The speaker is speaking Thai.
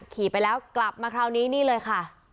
ขี่ไปแล้วกลับมาคราวนี้นี่เลยค่ะ